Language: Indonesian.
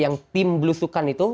yang tim belusukan itu